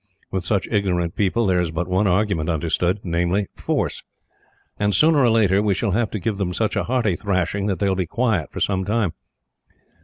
With such ignorant people, there is but one argument understood namely, force; and sooner or later we shall have to give them such a hearty thrashing that they will be quiet for some time.